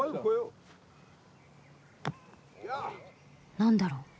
何だろう？